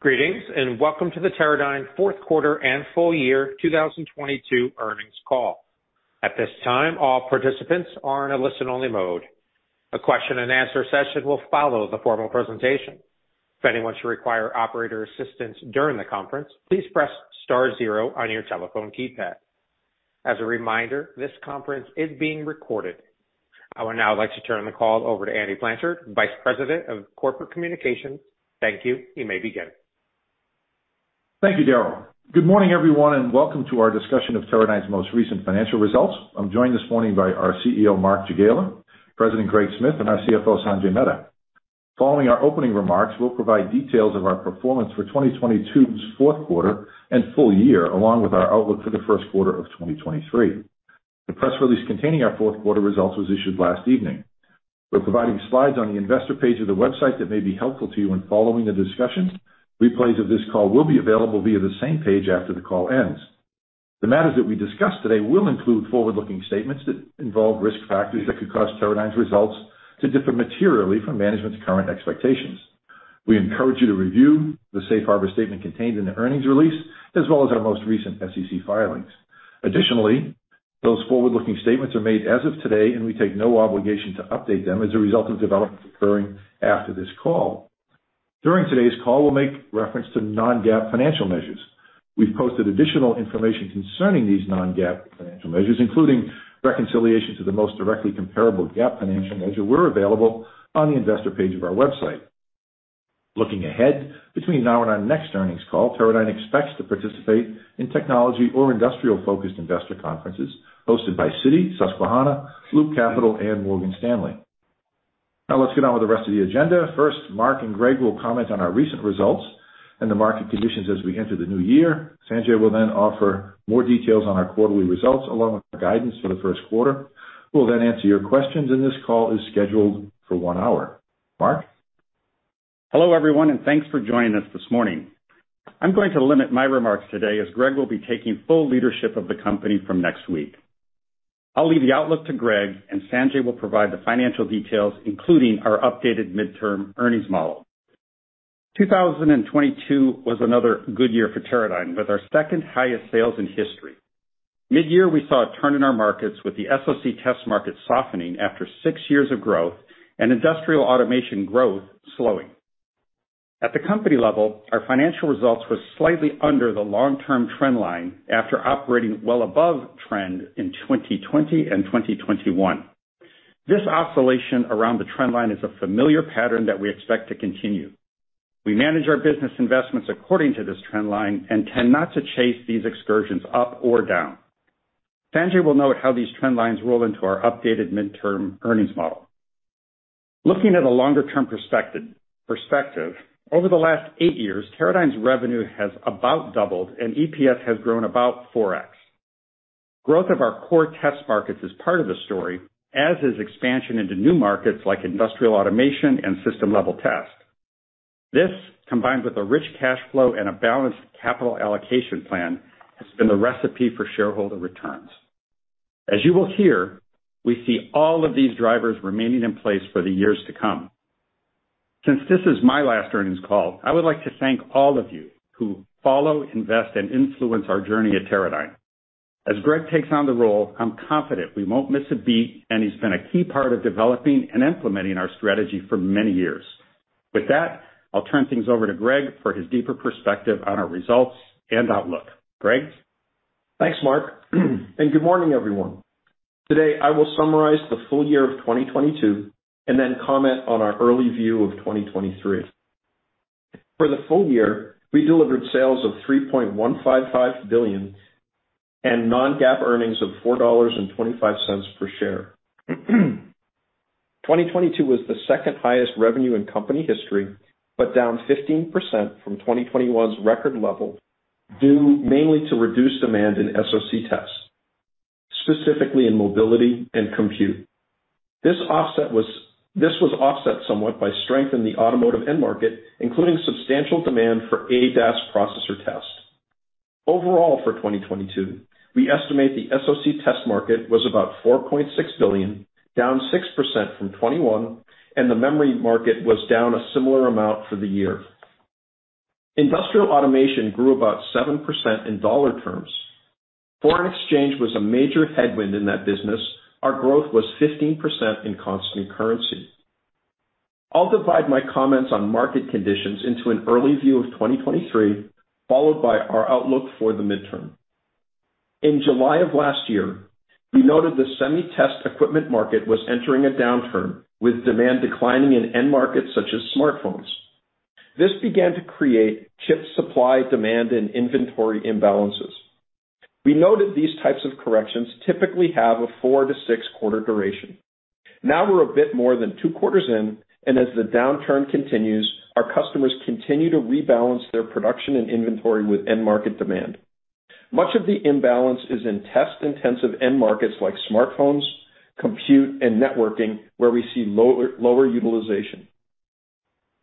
Greetings. Welcome to the Teradyne fourth quarter and full year 2022 earnings call. At this time, all participants are in a listen-only mode. A question and answer session will follow the formal presentation. If anyone should require operator assistance during the conference, please press star 0 on your telephone keypad. As a reminder, this conference is being recorded. I would now like to turn the call over to Andy Blanchard, Vice President of Corporate Communications. Thank you. You may begin. Thank you, Darryl. Good morning, everyone, welcome to our discussion of Teradyne's most recent financial results. I'm joined this morning by our CEO, Mark Jagiela, President Greg Smith, and our CFO, Sanjay Mehta. Following our opening remarks, we'll provide details of our performance for 2022's fourth quarter and full year, along with our outlook for the first quarter of 2023. The press release containing our fourth quarter results was issued last evening. We're providing slides on the investor page of the website that may be helpful to you when following the discussion. Replays of this call will be available via the same page after the call ends. The matters that we discuss today will include forward-looking statements that involve risk factors that could cause Teradyne's results to differ materially from management's current expectations. We encourage you to review the safe harbor statement contained in the earnings release, as well as our most recent SEC filings. Those forward-looking statements are made as of today, and we take no obligation to update them as a result of developments occurring after this call. During today's call, we'll make reference to non-GAAP financial measures. We've posted additional information concerning these non-GAAP financial measures, including reconciliation to the most directly comparable GAAP financial measure, were available on the investor page of our website. Looking ahead, between now and our next earnings call, Teradyne expects to participate in technology or industrial-focused investor conferences hosted by Citi, Susquehanna, Loop Capital, and Morgan Stanley. Let's get on with the rest of the agenda. First, Mark and Greg will comment on our recent results and the market conditions as we enter the new year. Sanjay will then offer more details on our quarterly results, along with our guidance for the first quarter. We'll then answer your questions. This call is scheduled for one hour. Mark? Hello, everyone, and thanks for joining us this morning. I'm going to limit my remarks today, as Greg will be taking full leadership of the company from next week. I'll leave the outlook to Greg, and Sanjay will provide the financial details, including our updated midterm earnings model. 2022 was another good year for Teradyne, with our second-highest sales in history. Mid-year, we saw a turn in our markets, with the SoC test market softening after six years of growth and industrial automation growth slowing. At the company level, our financial results were slightly under the long-term trend line after operating well above trend in 2020 and 2021. This oscillation around the trend line is a familiar pattern that we expect to continue. We manage our business investments according to this trend line and tend not to chase these excursions up or down. Sanjay will note how these trend lines roll into our updated midterm earnings model. Looking at a longer-term perspective, over the last eight years, Teradyne's revenue has about doubled, and EPS has grown about 4x. Growth of our core test markets is part of the story, as is expansion into new markets like industrial automation and system-level test. This, combined with a rich cash flow and a balanced capital allocation plan, has been the recipe for shareholder returns. As you will hear, we see all of these drivers remaining in place for the years to come. Since this is my last earnings call, I would like to thank all of you who follow, invest, and influence our journey at Teradyne. As Greg takes on the role, I'm confident we won't miss a beat. He's been a key part of developing and implementing our strategy for many years. With that, I'll turn things over to Greg for his deeper perspective on our results and outlook. Greg? Thanks, Mark. Good morning, everyone. Today, I will summarize the full year of 2022, then comment on our early view of 2023. For the full year, we delivered sales of $3.155 billion, non-GAAP earnings of $4.25 per share. 2022 was the second highest revenue in company history, down 15% from 2021's record level, due mainly to reduced demand in SoC tests, specifically in mobility and compute. This was offset somewhat by strength in the automotive end market, including substantial demand for ADAS processor test. Overall, for 2022, we estimate the SoC test market was about $4.6 billion, down 6% from 2021. The memory market was down a similar amount for the year. Industrial automation grew about 7% in dollar terms. Foreign exchange was a major headwind in that business. Our growth was 15% in constant currency. I'll divide my comments on market conditions into an early view of 2023, followed by our outlook for the midterm. In July of last year, we noted the semi-test equipment market was entering a downturn, with demand declining in end markets such as smartphones. This began to create chip supply, demand, and inventory imbalances. We noted these types of corrections typically have a 4-6 quarter duration. Now we're a bit more than two quarters in, and as the downturn continues, our customers continue to rebalance their production and inventory with end-market demand. Much of the imbalance is in test-intensive end markets like smartphones, compute, and networking, where we see lower utilization.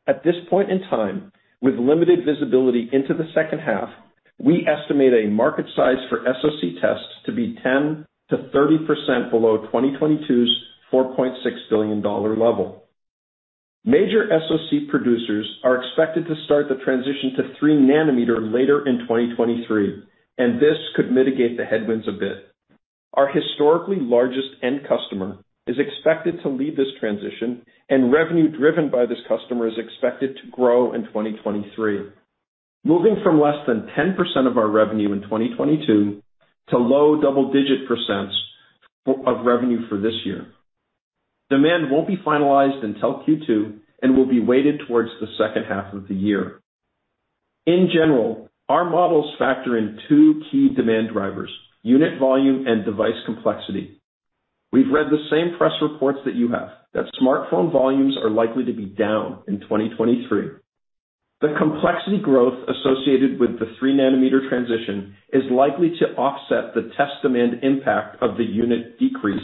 At this point in time, with limited visibility into the second half, We estimate a market size for SoC tests to be 10%-30% below 2022's $4.6 billion level. Major SoC producers are expected to start the transition to 3nm later in 2023. This could mitigate the headwinds a bit. Our historically largest end customer is expected to lead this transition. Revenue driven by this customer is expected to grow in 2023, moving from less than 10% of our revenue in 2022 to low double-digit % of revenue for this year. Demand won't be finalized until Q2 and will be weighted towards the second half of the year. In general, our models factor in two key demand drivers, unit volume and device complexity. We've read the same press reports that you have, that smartphone volumes are likely to be down in 2023. The complexity growth associated with the 3nm transition is likely to offset the test demand impact of the unit decrease.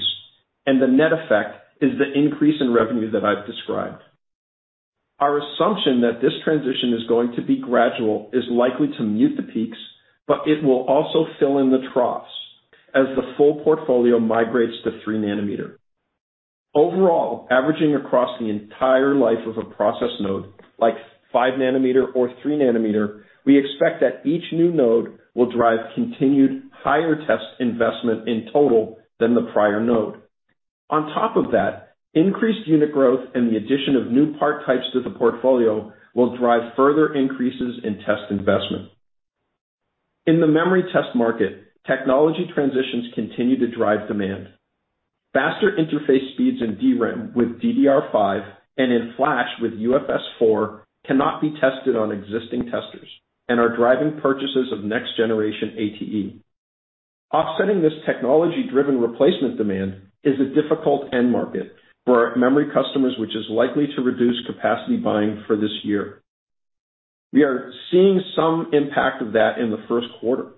The net effect is the increase in revenue that I've described. Our assumption that this transition is going to be gradual is likely to mute the peaks. It will also fill in the troughs as the full portfolio migrates to 3nm. Overall, averaging across the entire life of a process node, like 5nm or 3nm, we expect that each new node will drive continued higher test investment in total than the prior node. On top of that, increased unit growth and the addition of new part types to the portfolio will drive further increases in test investment. In the memory test market, technology transitions continue to drive demand. Faster interface speeds in DRAM with DDR5 and in Flash with UFS4 cannot be tested on existing testers and are driving purchases of next generation ATE. Offsetting this technology-driven replacement demand is a difficult end market for our memory customers, which is likely to reduce capacity buying for this year. We are seeing some impact of that in the first quarter.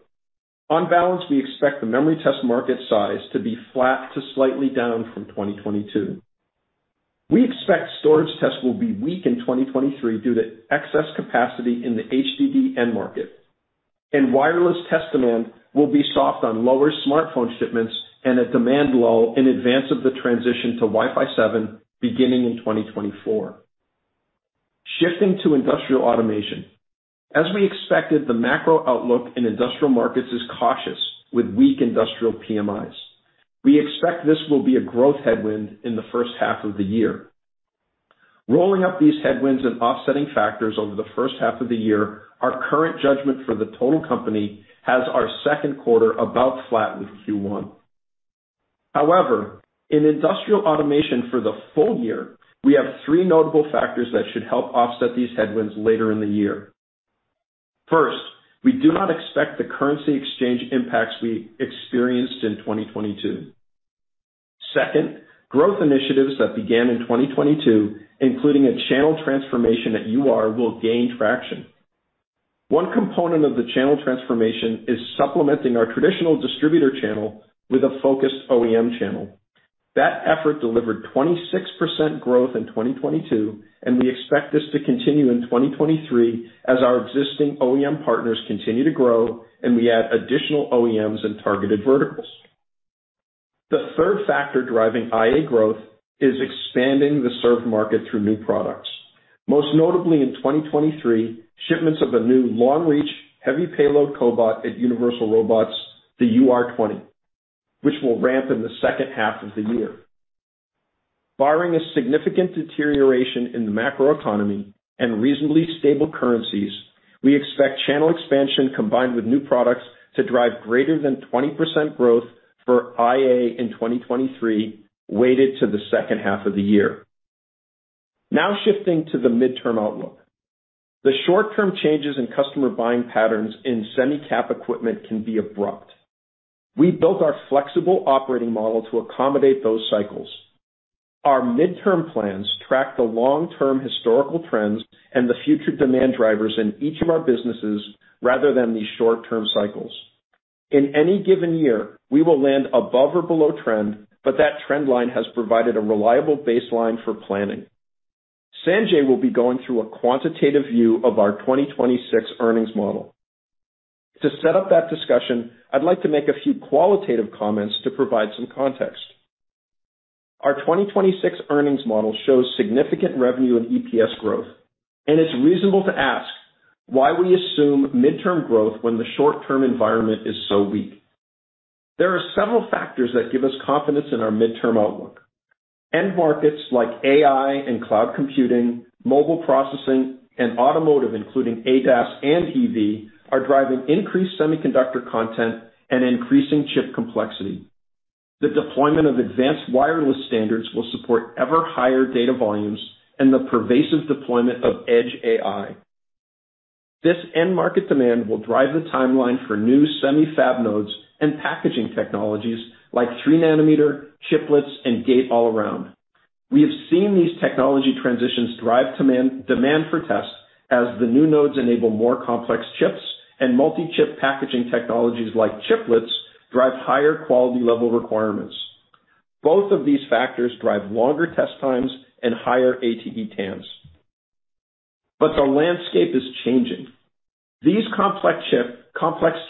On balance, we expect the memory test market size to be flat to slightly down from 2022. We expect storage tests will be weak in 2023 due to excess capacity in the HDD end market. Wireless test demand will be soft on lower smartphone shipments and a demand lull in advance of the transition to Wi-Fi 7, beginning in 2024. Shifting to industrial automation. As we expected, the macro outlook in industrial markets is cautious with weak industrial PMIs. We expect this will be a growth headwind in the first half of the year. Rolling up these headwinds and offsetting factors over the first half of the year, our current judgment for the total company has our second quarter about flat with Q1. However, in industrial automation for the full year, we have three notable factors that should help offset these headwinds later in the year. First, we do not expect the currency exchange impacts we experienced in 2022. Second, growth initiatives that began in 2022, including a channel transformation at UR, will gain traction. One component of the channel transformation is supplementing our traditional distributor channel with a focused OEM channel. That effort delivered 26% growth in 2022, we expect this to continue in 2023 as our existing OEM partners continue to grow and we add additional OEMs and targeted verticals. The third factor driving IA growth is expanding the served market through new products. Most notably in 2023, shipments of a new long-reach heavy payload cobot at Universal Robots, the UR20, which will ramp in the second half of the year. Barring a significant deterioration in the macroeconomy and reasonably stable currencies, we expect channel expansion combined with new products to drive greater than 20% growth for IA in 2023, weighted to the second half of the year. Shifting to the midterm outlook. The short-term changes in customer buying patterns in semi-cap equipment can be abrupt. We built our flexible operating model to accommodate those cycles. Our midterm plans track the long-term historical trends and the future demand drivers in each of our businesses rather than these short-term cycles. In any given year, we will land above or below trend, but that trend line has provided a reliable baseline for planning. Sanjay will be going through a quantitative view of our 2026 earnings model. To set up that discussion, I'd like to make a few qualitative comments to provide some context. Our 2026 earnings model shows significant revenue and EPS growth. It's reasonable to ask why we assume midterm growth when the short-term environment is so weak. There are several factors that give us confidence in our midterm outlook. End markets like AI and cloud computing, mobile processing, and automotive, including ADAS and EV, are driving increased semiconductor content and increasing chip complexity. The deployment of advanced wireless standards will support ever higher data volumes and the pervasive deployment of edge AI. This end market demand will drive the timeline for new semi-fab nodes and packaging technologies like 3nm, Chiplets, and Gate-All-Around. We have seen these technology transitions drive demand for test as the new nodes enable more complex chips, and multi-chip packaging technologies like Chiplets drive higher quality level requirements. Both of these factors drive longer test times and higher ATE TAMs. The landscape is changing. These complex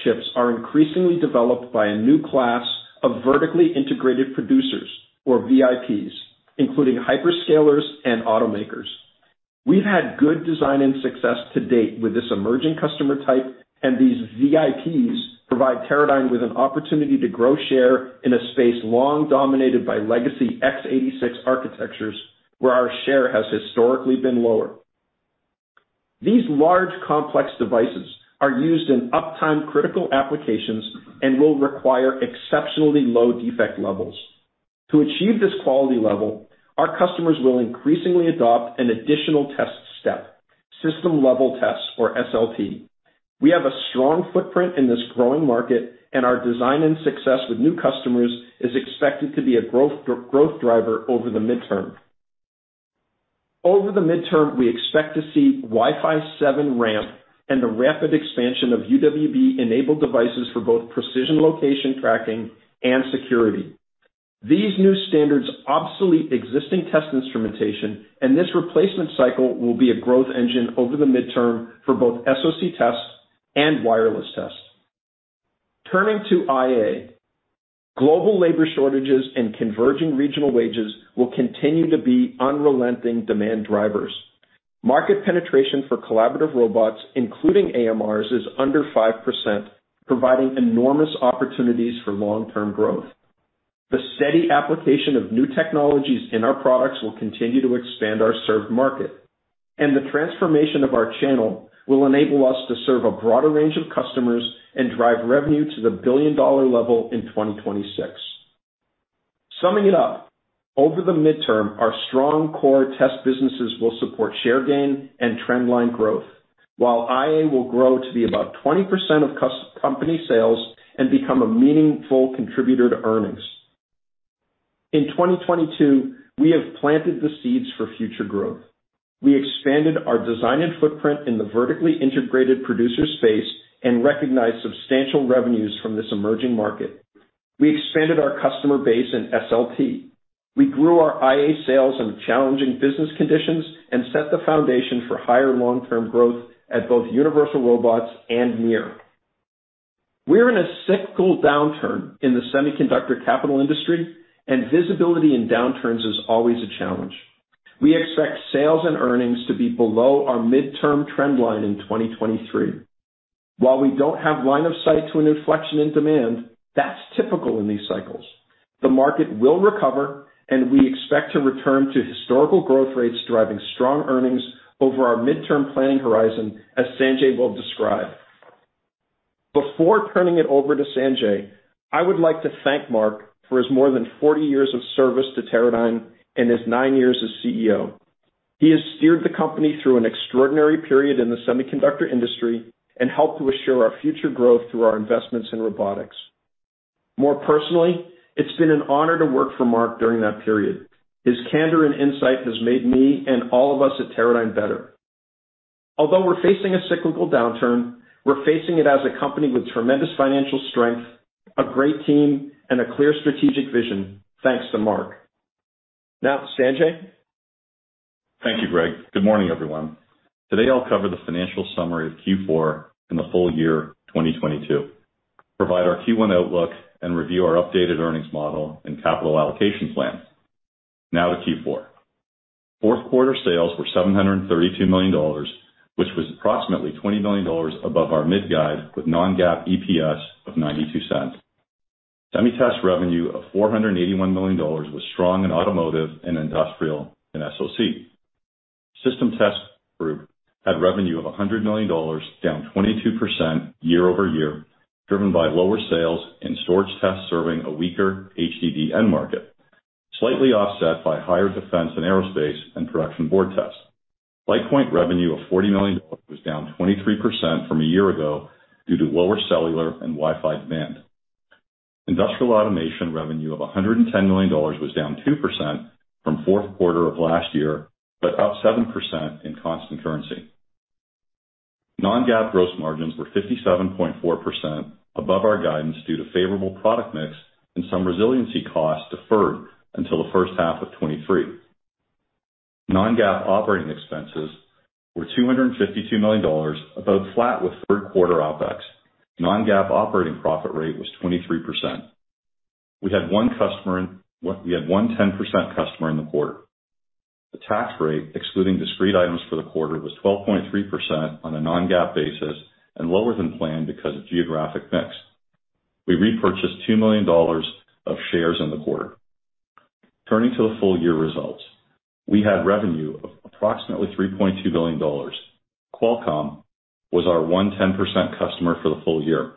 chips are increasingly developed by a new class of Vertically Integrated Producers or VIPs, including hyperscalers and automakers. We've had good design and success to date with this emerging customer type, these VIPs provide Teradyne with an opportunity to grow share in a space long dominated by legacy x86 architectures, where our share has historically been lower. These large, complex devices are used in uptime-critical applications and will require exceptionally low defect levels. To achieve this quality level, our customers will increasingly adopt an additional test step, system-level tests or SLT. We have a strong footprint in this growing market, and our design and success with new customers is expected to be a growth driver over the midterm. Over the midterm, we expect to see Wi-Fi 7 ramp and the rapid expansion of UWB-enabled devices for both precision location tracking and security. These new standards obsolete existing test instrumentation, and this replacement cycle will be a growth engine over the midterm for both SoC tests and wireless tests. Turning to IA, global labor shortages and converging regional wages will continue to be unrelenting demand drivers. Market penetration for collaborative robots, including AMRs, is under 5%, providing enormous opportunities for long-term growth. The steady application of new technologies in our products will continue to expand our served market, and the transformation of our channel will enable us to serve a broader range of customers and drive revenue to the billion-dollar level in 2026. Summing it up, over the midterm, our strong core test businesses will support share gain and trendline growth, while IA will grow to be about 20% of company sales and become a meaningful contributor to earnings. In 2022, we have planted the seeds for future growth. We expanded our design and footprint in the vertically integrated producer space and recognized substantial revenues from this emerging market. We expanded our customer base in SLT. We grew our IA sales in challenging business conditions and set the foundation for higher long-term growth at both Universal Robots and MiR. We're in a cyclical downturn in the semiconductor capital industry. Visibility in downturns is always a challenge. We expect sales and earnings to be below our midterm trend line in 2023. While we don't have line of sight to an inflection in demand, that's typical in these cycles. The market will recover. We expect to return to historical growth rates, driving strong earnings over our midterm planning horizon, as Sanjay will describe. Before turning it over to Sanjay, I would like to thank Mark for his more than 40 years of service to Teradyne and his nine years as CEO. He has steered the company through an extraordinary period in the semiconductor industry and helped to assure our future growth through our investments in robotics. More personally, it's been an honor to work for Mark during that period. His candor and insight has made me and all of us at Teradyne better. Although we're facing a cyclical downturn, we're facing it as a company with tremendous financial strength, a great team, and a clear strategic vision. Thanks to Mark. Now, Sanjay. Thank you, Greg. Good morning, everyone. Today I'll cover the financial summary of Q4 and the full year 2022, provide our Q1 outlook, and review our updated earnings model and capital allocation plan. Now to Q4. Fourth quarter sales were $732 million, which was approximately $20 million above our mid guide, with non-GAAP EPS of $0.92. Semi test revenue of $481 million was strong in automotive and industrial and SoC. System test group had revenue of $100 million, down 22% year-over-year, driven by lower sales and storage tests serving a weaker HDD end market, slightly offset by higher defense and aerospace and production board tests. LitePoint revenue of $40 million was down 23% from a year ago due to lower cellular and Wi-Fi demand. Industrial automation revenue of $110 million was down 2% from fourth quarter of last year, but up 7% in constant currency. Non-GAAP gross margins were 57.4% above our guidance due to favorable product mix and some resiliency costs deferred until the first half of 2023. Non-GAAP operating expenses were $252 million, about flat with third quarter OpEx. Non-GAAP operating profit rate was 23%. We had one 10% customer in the quarter. The tax rate, excluding discrete items for the quarter, was 12.3% on a non-GAAP basis and lower than planned because of geographic mix. We repurchased $2 million of shares in the quarter. Turning to the full year results. We had revenue of approximately $3.2 billion. Qualcomm was our 10% customer for the full year.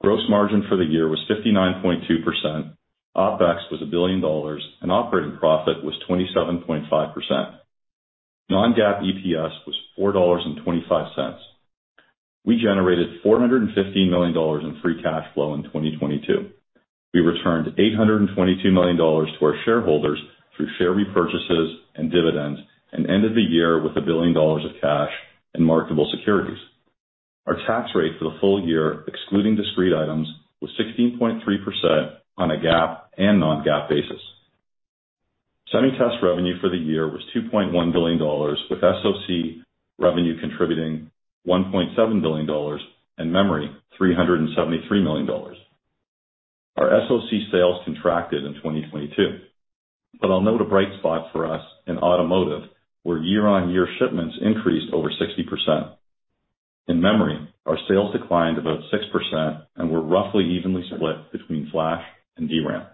Gross margin for the year was 59.2%, OpEx was $1 billion, and operating profit was 27.5%. non-GAAP EPS was $4.25. We generated $415 million in free cash flow in 2022. We returned $822 million to our shareholders through share repurchases and dividends, and ended the year with $1 billion of cash and marketable securities. Our tax rate for the full year, excluding discrete items, was 16.3% on a GAAP and non-GAAP basis. Semi-test revenue for the year was $2.1 billion, with SoC revenue contributing $1.7 billion and memory $373 million. Our SoC sales contracted in 2022. I'll note a bright spot for us in automotive, where year-on-year shipments increased over 60%. In memory, our sales declined about 6% and were roughly evenly split between Flash and DRAM.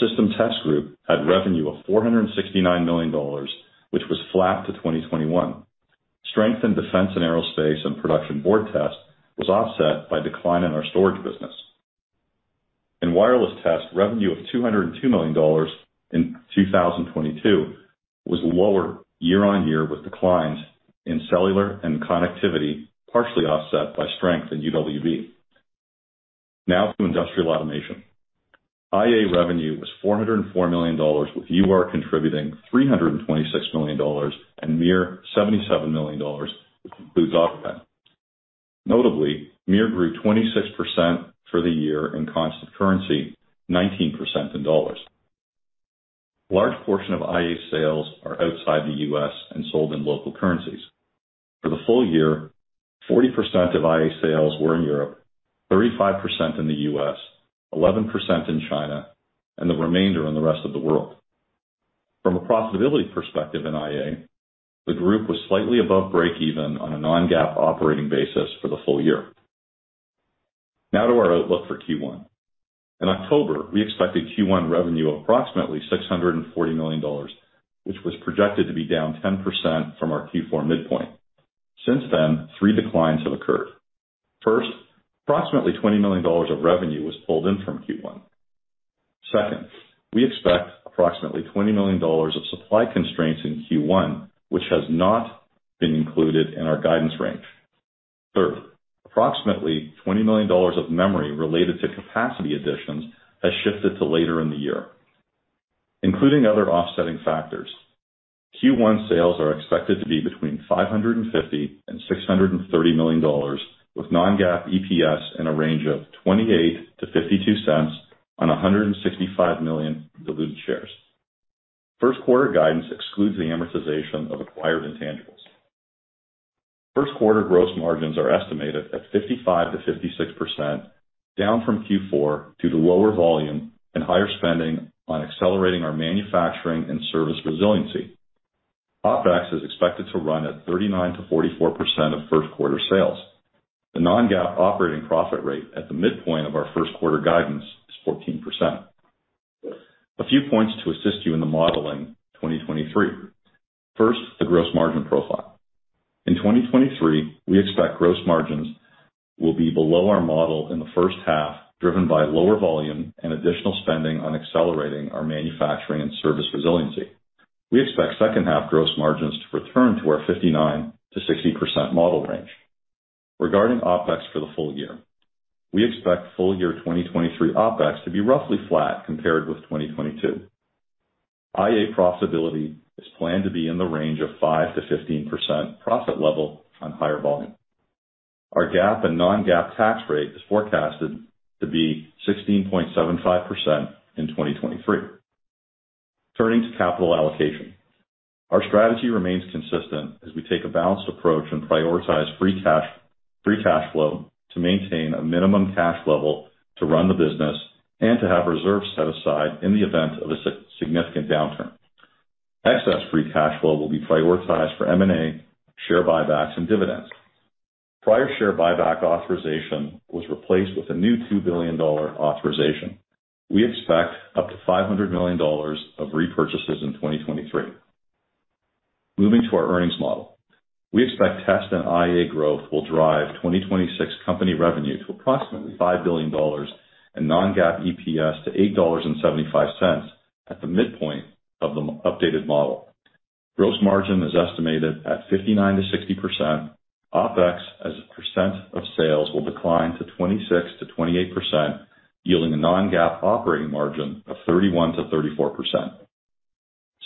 System test group had revenue of $469 million, which was flat to 2021. Strength in defense and aerospace and production board test was offset by decline in our storage business. In wireless test, revenue of $202 million in 2022 was lower year-on-year, with declines in cellular and connectivity partially offset by strength in UWB. To Industrial Automation. IA revenue was $404 million, with UR contributing $326 million and MiR $77 million, which includes AutoGuide. Notably, MiR grew 26% for the year in constant currency, 19% in dollars. A large portion of IA sales are outside the U.S. and sold in local currencies. For the full year, 40% of IA sales were in Europe, 35% in the U.S., 11% in China, and the remainder in the rest of the world. From a profitability perspective in IA, the group was slightly above break even on a non-GAAP operating basis for the full year. To our outlook for Q1. In October, we expected Q1 revenue of approximately $640 million, which was projected to be down 10% from our Q4 midpoint. Since then, three declines have occurred. First, approximately $20 million of revenue was pulled in from Q1. Second, we expect approximately $20 million of supply constraints in Q1, which has not been included in our guidance range. Third, approximately $20 million of memory related to capacity additions has shifted to later in the year. Including other offsetting factors, Q1 sales are expected to be between $550 million and $630 million, with non-GAAP EPS in a range of $0.28-$0.52 on 165 million diluted shares. First quarter guidance excludes the amortization of acquired intangibles. First quarter gross margins are estimated at 55%-56%, down from Q4 due to lower volume and higher spending on accelerating our manufacturing and service resiliency. OpEx is expected to run at 39%-44% of first quarter sales. The non-GAAP operating profit rate at the midpoint of our first quarter guidance is 14%. A few points to assist you in the modeling 2023. First, the gross margin profile. In 2023, we expect gross margins will be below our model in the first half, driven by lower volume and additional spending on accelerating our manufacturing and service resiliency. We expect second half gross margins to return to our 59%-60% model range. Regarding OpEx for the full year, we expect full year 2023 OpEx to be roughly flat compared with 2022. IA profitability is planned to be in the range of 5%-15% profit level on higher volume. Our GAAP and non-GAAP tax rate is forecasted to be 16.75% in 2023. Turning to capital allocation. Our strategy remains consistent as we take a balanced approach and prioritize free cash flow to maintain a minimum cash level to run the business and to have reserves set aside in the event of a significant downturn. Excess free cash flow will be prioritized for M&A, share buybacks, and dividends. Prior share buyback authorization was replaced with a new $2 billion authorization. We expect up to $500 million of repurchases in 2023. Moving to our earnings model. We expect test and IA growth will drive 2026 company revenue to approximately $5 billion and non-GAAP EPS to $8.75 at the midpoint of the updated model. Gross margin is estimated at 59%-60%. OpEx as a percent of sales will decline to 26%-28%, yielding a non-GAAP operating margin of 31%-34%.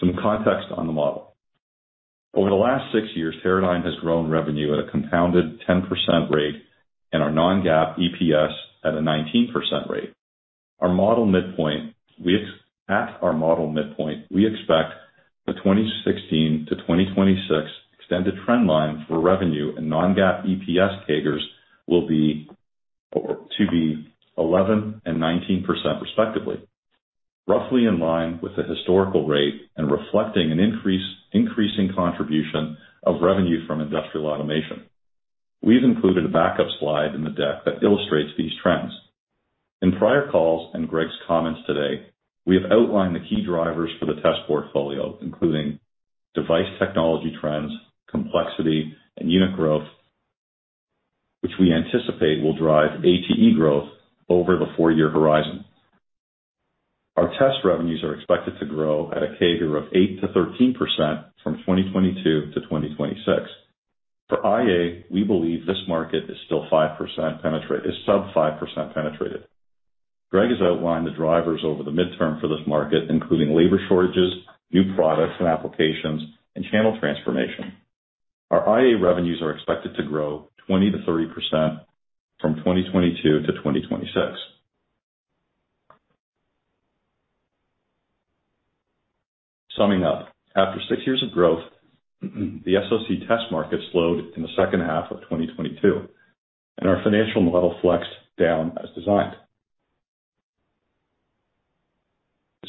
Some context on the model. Over the last six years, Teradyne has grown revenue at a compounded 10% rate and our non-GAAP EPS at a 19% rate. Our model midpoint, at our model midpoint, we expect the 2016-2026 extended trend line for revenue and non-GAAP EPS CAGRs to be 11% and 19% respectively, roughly in line with the historical rate and reflecting an increasing contribution of revenue from Industrial Automation. We've included a backup slide in the deck that illustrates these trends. In prior calls and Greg's comments today, we have outlined the key drivers for the test portfolio, including device technology trends, complexity, and unit growth, which we anticipate will drive ATE growth over the four-year horizon. Our test revenues are expected to grow at a CAGR of 8%-13% from 2022-2026. For IA, we believe this market is still sub 5% penetrated. Greg has outlined the drivers over the midterm for this market, including labor shortages, new products and applications, and channel transformation. Our IA revenues are expected to grow 20%-30% from 2022 to 2026. Summing up, after six years of growth, the SoC test market slowed in the second half of 2022, and our financial model flexed down as designed.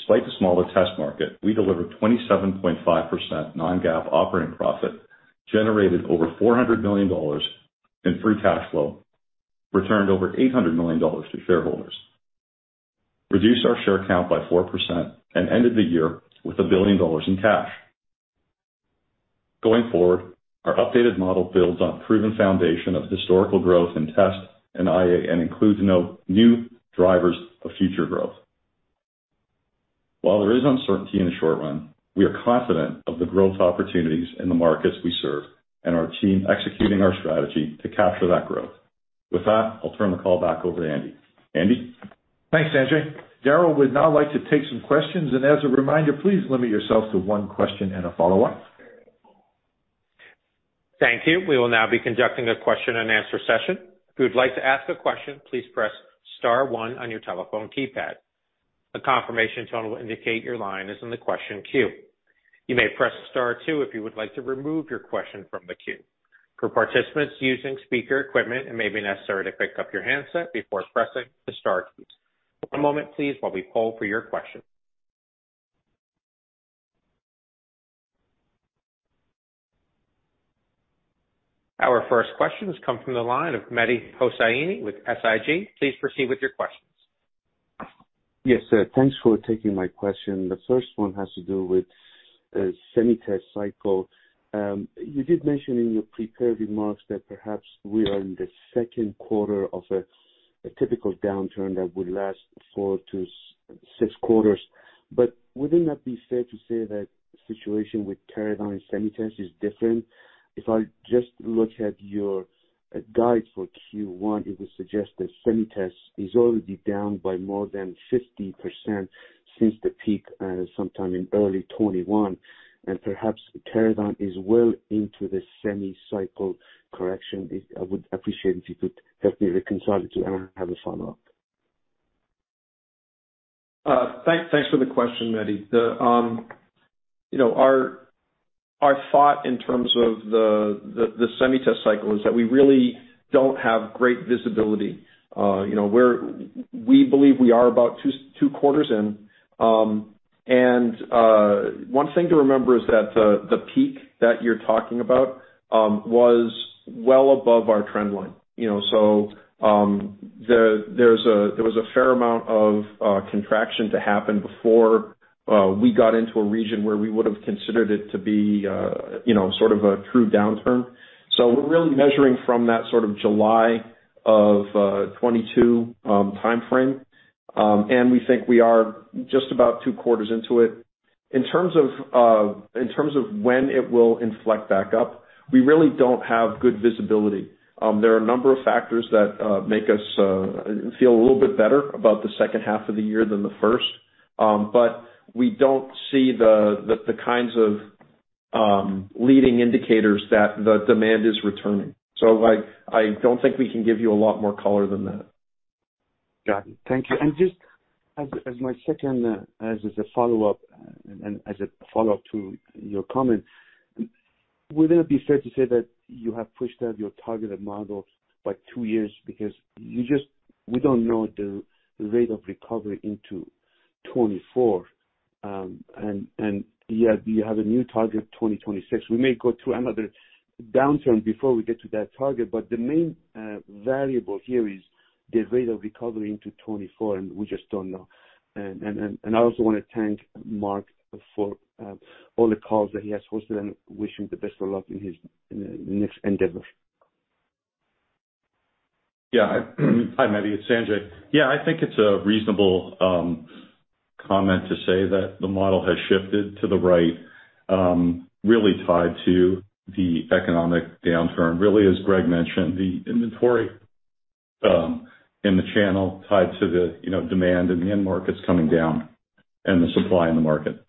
Despite the smaller test market, we delivered 27.5% non-GAAP operating profit, generated over $400 million in free cash flow, returned over $800 million to shareholders, reduced our share count by 4%, and ended the year with $1 billion in cash. Going forward, our updated model builds on proven foundation of historical growth in test and IA and includes no new drivers of future growth. While there is uncertainty in the short run, we are confident of the growth opportunities in the markets we serve and our team executing our strategy to capture that growth. With that, I'll turn the call back over to Andy. Andy? Thanks, Sanjay. Darryl would now like to take some questions. As a reminder, please limit yourself to one question and a follow-up. Thank you. We will now be conducting a question and answer session. If you'd like to ask a question, please press star one on your telephone keypad. A confirmation tone will indicate your line is in the question queue. You may press star two if you would like to remove your question from the queue. For participants using speaker equipment, it may be necessary to pick up your handset before pressing the star keys. One moment, please, while we poll for your question. Our first question has come from the line of Mehdi Hosseini with SIG. Please proceed with your questions. Yes, sir. Thanks for taking my question. The first one has to do with semi-test cycle. You did mention in your prepared remarks that perhaps we are in the second quarter of a typical downturn that would last 4-6 quarters. Would it not be fair to say that situation with Teradyne semi-test is different? If I just look at your guide for Q1, it would suggest that semi-test is already down by more than 50% since the peak sometime in early 2021, and perhaps Teradyne is well into the semi-cycle correction. I would appreciate if you could help me reconcile it to, and I have a follow-up. Thanks for the question, Mehdi. You know, our thought in terms of the semi-test cycle is that we really don't have great visibility. You know, we believe we are about two quarters in. One thing to remember is that the peak that you're talking about was well above our trend line, you know? There was a fair amount of contraction to happen before we got into a region where we would've considered it to be, you know, sort of a true downturn. We're really measuring from that sort of July of 2022 timeframe. We think we are just about two quarters into it. In terms of, in terms of when it will inflect back up, we really don't have good visibility. There are a number of factors that make us feel a little bit better about the second half of the year than the first. We don't see the kinds of leading indicators that the demand is returning. I don't think we can give you a lot more color than that. Got it. Thank you. Just as my second, as a follow-up and as a follow-up to your comment, would it be fair to say that you have pushed out your targeted models by two years? Because we don't know the rate of recovery into 2024, and yet you have a new target, 2026. We may go through another downturn before we get to that target, but the main variable here is the rate of recovery into 2024, and we just don't know. I also wanna thank Mark for all the calls that he has hosted, and wish him the best of luck in his next endeavor. Hi, Mehdi. It's Sanjay. I think it's a reasonable comment to say that the model has shifted to the right, really tied to the economic downturn. As Greg mentioned, the inventory in the channel tied to the, you know, demand in the end markets coming down and the supply in the market.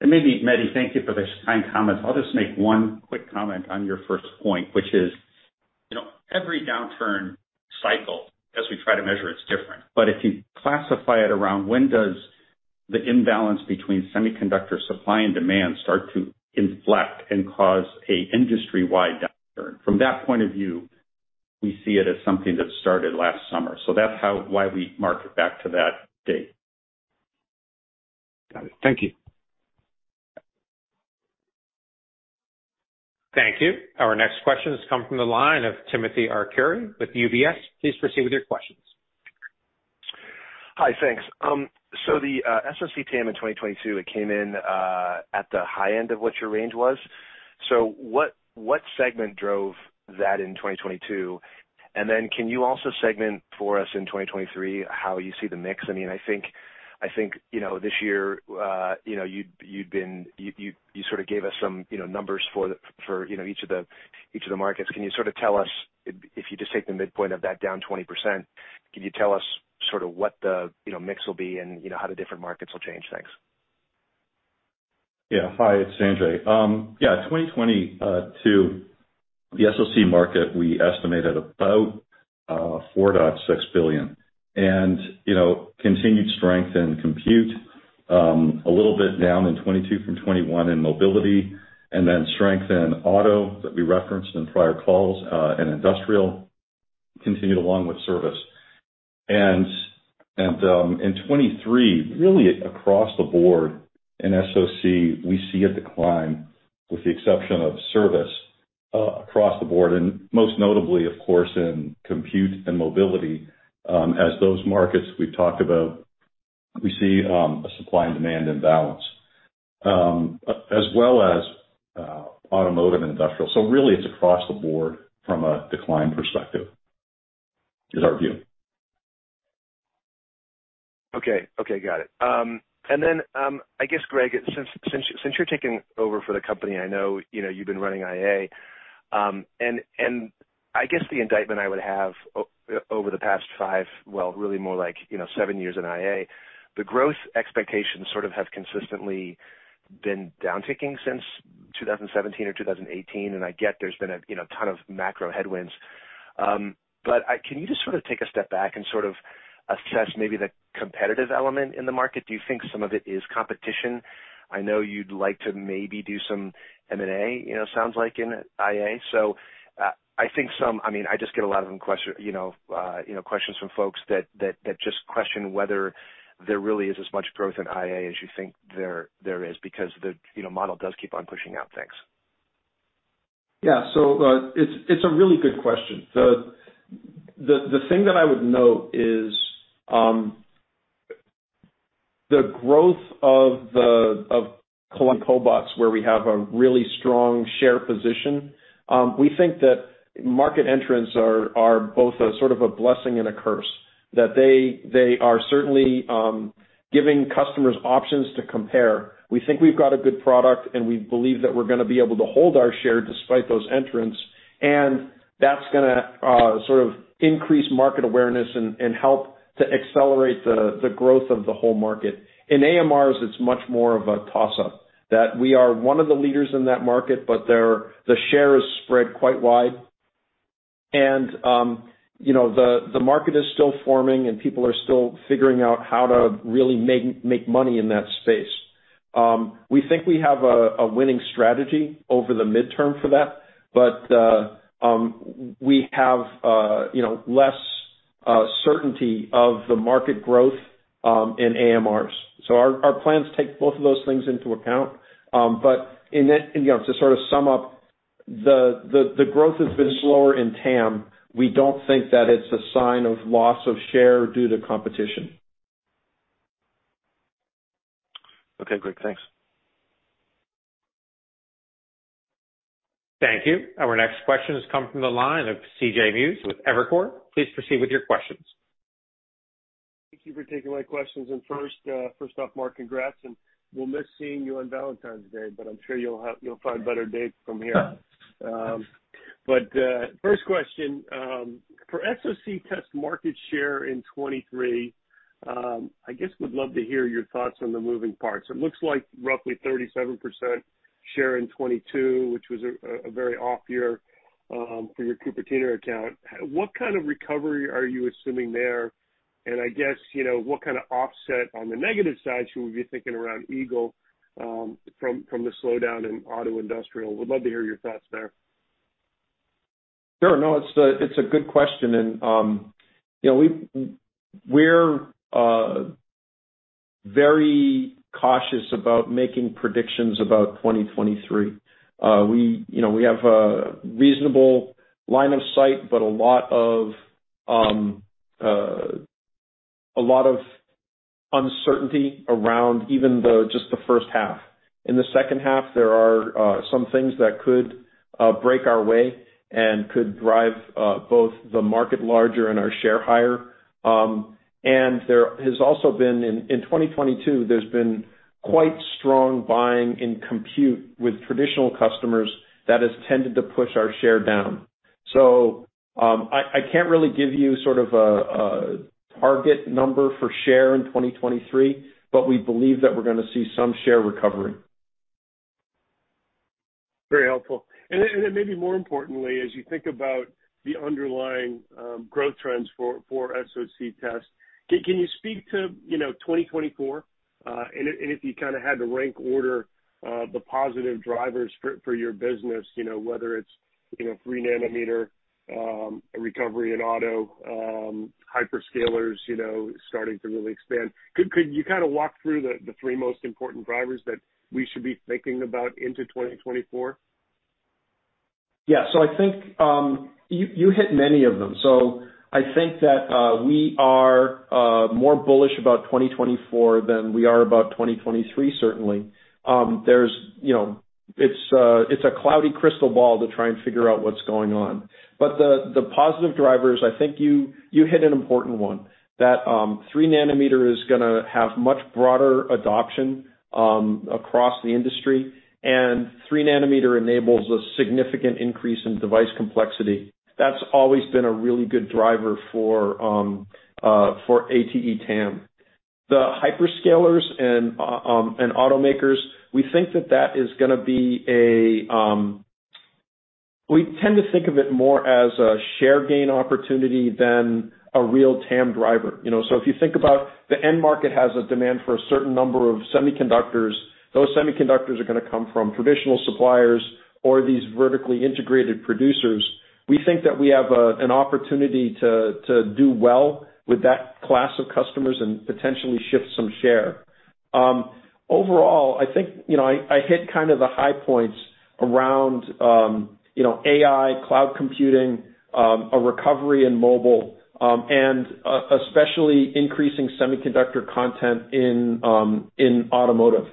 Maybe, Mehdi, thank you for those kind comments. I'll just make one quick comment on your first point, which is, you know, every downturn cycle as we try to measure it is different. If you classify it around when does the imbalance between semiconductor supply and demand start to inflect and cause a industry-wide downturn, from that point of view, we see it as something that started last summer. That's why we mark it back to that date. Got it. Thank you. Thank you. Our next question has come from the line of Timothy Arcuri with UBS. Please proceed with your questions. Hi. Thanks. So the SoC TAM in 2022, it came in at the high end of what your range was. What segment drove that in 2022? Can you also segment for us in 2023 how you see the mix? I mean, I think, you know, this year, you know, you sort of gave us some, you know, numbers for each of the markets. Can you sort of tell us if you just take the midpoint of that down 20%, can you tell us sort of what the, you know, mix will be and, you know, how the different markets will change? Thanks. Yeah. Hi, it's Sanjay. Yeah, 2022, the SOC market we estimated about $4.6 billion. You know, continued strength in compute, a little bit down in 2022 from 2021 in mobility and then strength in auto that we referenced in prior calls, and industrial continued along with service. In 2023, really across the board in SOC, we see a decline with the exception of service, across the board, and most notably of course in compute and mobility, as those markets we've talked about, we see a supply and demand imbalance, as well as automotive and industrial. Really it's across the board from a decline perspective is our view. Okay. Okay. Got it. I guess, Greg, since you're taking over for the company, I know, you know, you've been running IA, and I guess the indictment I would have over the past five, well, really more like, you know, seven years in IA, the growth expectations sort of have consistently been downticking since 2017 or 2018. I get there's been a, you know, ton of macro headwinds. Can you just sort of take a step back and sort of assess maybe the competitive element in the market? Do you think some of it is competition? I know you'd like to maybe do some M&A, you know, sounds like in IA. I think some... I mean, I just get a lot of them question, you know, you know, questions from folks that just question whether there really is as much growth in IA as you think there is because the, you know, model does keep on pushing out. Thanks. It's a really good question. The thing that I would note is the growth of the cobots where we have a really strong share position. We think that market entrants are both a sort of a blessing and a curse, that they are certainly giving customers options to compare. We think we've got a good product, and we believe that we're gonna be able to hold our share despite those entrants, and that's gonna sort of increase market awareness and help to accelerate the growth of the whole market. In AMRs, it's much more of a toss-up, that we are one of the leaders in that market, but the share is spread quite wide and, you know, the market is still forming, and people are still figuring out how to really make money in that space. We think we have a winning strategy over the midterm for that, but we have, you know, less certainty of the market growth in AMRs. Our, our plans take both of those things into account. In that, you know, to sort of sum up, the, the growth has been slower in TAM. We don't think that it's a sign of loss of share due to competition. Okay, great. Thanks. Thank you. Our next question has come from the line of CJ Muse with Evercore. Please proceed with your questions. Thank you for taking my questions. First off, Mark, congrats, and we'll miss seeing you on Valentine's Day, but I'm sure you'll find better dates from here. First question, for SoC test market share in 23, I guess would love to hear your thoughts on the moving parts. It looks like roughly 37% share in 22, which was a very off year, for your Cupertino account. What kind of recovery are you assuming there? I guess, you know, what kind of offset on the negative side should we be thinking around Eagle, from the slowdown in auto industrial? Would love to hear your thoughts there. Sure. No, it's a good question. you know, we're very cautious about making predictions about 2023. We, you know, we have a reasonable line of sight, but a lot of uncertainty around even the, just the first half. In the second half, there are some things that could break our way and could drive both the market larger and our share higher. There has also been in 2022, there's been quite strong buying in compute with traditional customers that has tended to push our share down. I can't really give you sort of a target number for share in 2023, but we believe that we're gonna see some share recovery. Very helpful. Then, maybe more importantly, as you think about the underlying, growth trends for SoC test, can you speak to, you know, 2024? If you kind of had to rank order, the positive drivers for your business, you know, whether it's, you know, three nanometer, recovery in auto, hyperscalers, you know, starting to really expand. Could you kind of walk through the three most important drivers that we should be thinking about into 2024? Yeah. I think, you hit many of them. I think that we are more bullish about 2024 than we are about 2023 certainly. There's, you know, it's a cloudy crystal ball to try and figure out what's going on. The positive drivers, I think you hit an important one, that 3nm is gonna have much broader adoption across the industry. 3nm enables a significant increase in device complexity. That's always been a really good driver for ATE TAM. The hyperscalers and automakers. We tend to think of it more as a share gain opportunity than a real TAM driver, you know. If you think about the end market has a demand for a certain number of semiconductors, those semiconductors are gonna come from traditional suppliers or these vertically integrated producers. We think that we have an opportunity to do well with that class of customers and potentially shift some share. Overall, I think, you know, I hit kind of the high points around, you know, AI, cloud computing, a recovery in mobile, and especially increasing semiconductor content in automotive.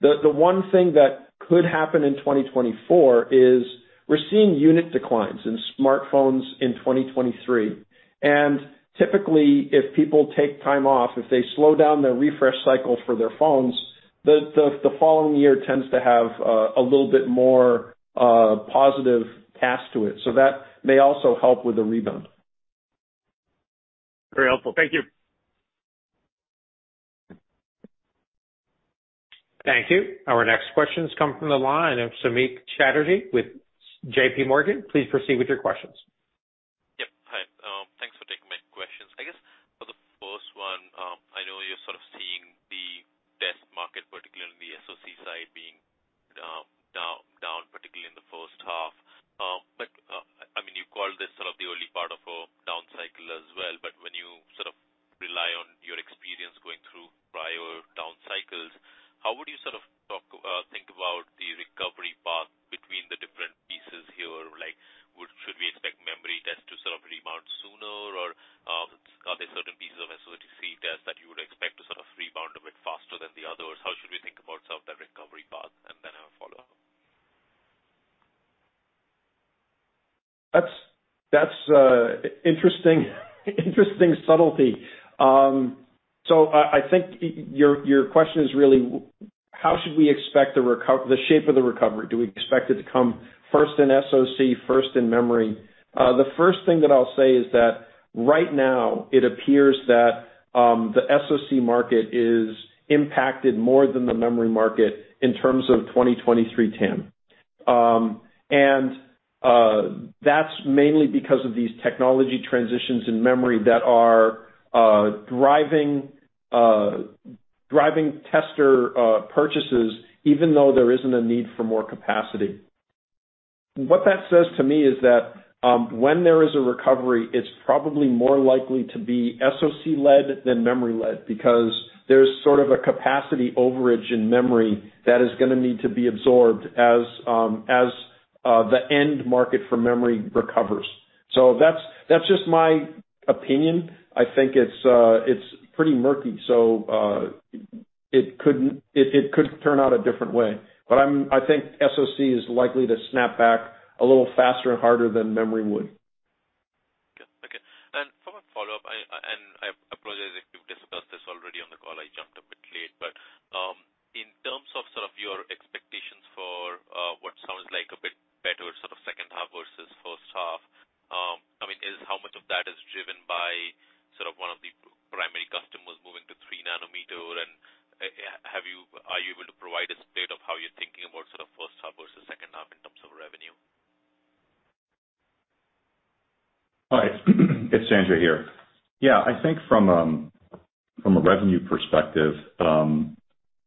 The one thing that could happen in 2024 is we're seeing unit declines in smartphones in 2023. Typically, if people take time off, if they slow down their refresh cycle for their phones, the following year tends to have a little bit more positive task to it. That may also help with the rebound. Very helpful. Thank you. Thank you. Our next question comes from the line of Samik Chatterjee with J.P. Morgan. Please proceed with your questions. interesting subtlety. I think your question is really how should we expect the shape of the recovery? Do we expect it to come first in SoC, first in memory? The first thing that I'll say is that right now it appears that the SoC market is impacted more than the memory market in terms of 2023 TAM. That's mainly because of these technology transitions in memory that are driving tester purchases even though there isn't a need for more capacity. What that says to me is that when there is a recovery, it's probably more likely to be SoC-led than memory-led because there's sort of a capacity overage in memory that is gonna need to be absorbed as the end market for memory recovers. That's just my opinion. I think it's pretty murky, it could turn out a different way. I think SoC is likely to snap back a little faster and harder than memory would. Okay. Okay. For my follow-up, I apologize if you've discussed this already on the call, I jumped a bit late, but, in terms of sort of your expectations for what sounds like a bit better sort of second half versus first half, I mean, is how much of that is driven by sort of one of the primary customers moving to 3nm? Are you able to provide a state of how you're thinking about sort of first half versus second half in terms of revenue? Hi. It's Sanjay here. I think from a revenue perspective,